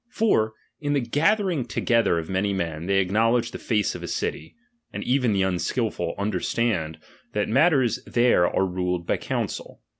For, in the gathering toge ther of many men, they acknowledge the Tace of a city ; and even the unakilfiil understand, that matters there are ruled by council.